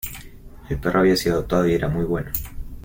El perro había sido adoptado y era muy bueno.